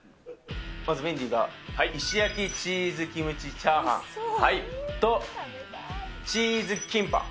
まずメンディーが石焼きチーズキムチチャーハンとと、チーズキンパ。